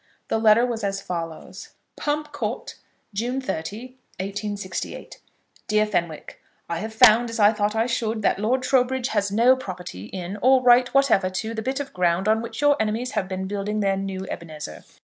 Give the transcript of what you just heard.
The letter was as follows: Pump Court, June 30, 1868. DEAR FENWICK, I have found, as I thought I should, that Lord Trowbridge has no property in, or right whatever to, the bit of ground on which your enemies have been building their new Ebenezer.